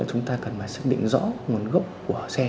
chúng ta cần phải xác định rõ nguồn gốc của xe